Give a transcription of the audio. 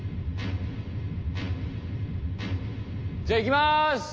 じゃいきます。